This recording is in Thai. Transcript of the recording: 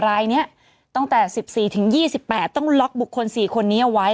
รายนี้ตั้งแต่๑๔ถึง๒๘ต้องล็อกบุคคล๔คนนี้เอาไว้